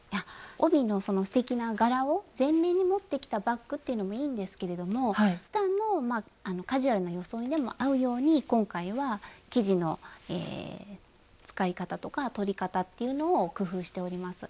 帯のすてきな柄を全面に持ってきたバッグっていうのもいいんですけれどもふだんのカジュアルな装いでも合うように今回は生地の使い方とか取り方っていうのを工夫しております。